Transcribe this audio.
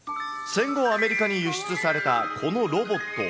戦後アメリカに輸出されたこのロボット。